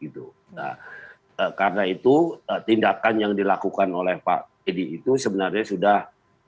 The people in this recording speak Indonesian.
nah karena itu tindakan yang dilakukan oleh pak edi itu sebenarnya sudah